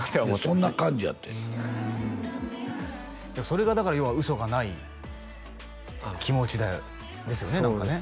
そんな感じやってそれがだから要は嘘がない気持ちだよですよね何かね